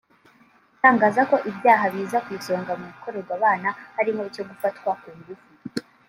Itangaza ko ibyaha biza ku isonga mu bikorerwa abana harimo icyo gufatwa ku ngufu